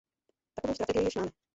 Takovou strategii již máme.